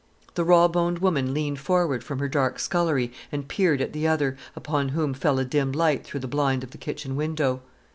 The raw boned woman leaned forward from her dark scullery and peered at the other, upon whom fell a dim light through the blind of the kitchen window.